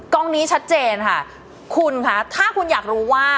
กองนี้ชัดเจนค่ะคุณค่ะถ้าคุณอยากรู้ว่า